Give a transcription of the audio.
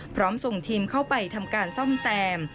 พร้อมส่งทีมเข้าไปทำการซ่อมแซม